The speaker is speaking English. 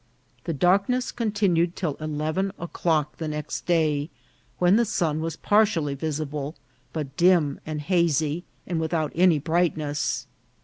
Tht darkness continue'd till eleven o'clock the next day when the sun was partially visible, but dim and hazy, and without any brightness.